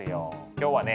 今日はね